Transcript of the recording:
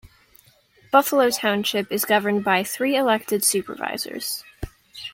Buffalo Township is governed by three elected supervisors.